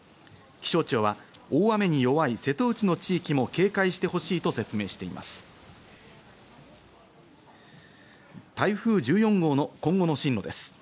気象庁は大雨に弱い瀬戸内の地域も警戒してほしいと説明しています。